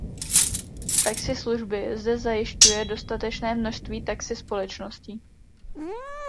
Taxi služby zde zajišťuje dostatečné množství taxi společností.